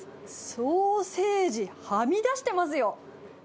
ソーセージ、はみ出してますよ。